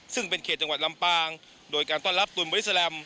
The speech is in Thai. ซึ่งเป็นเขตจังหวัดลำปางโดยการต้อนรับตูนบริสแลม